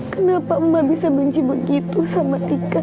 kenapa bisa benci begitu sama tiket